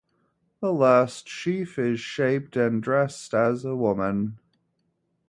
The last sheaf is shaped and dressed as a woman.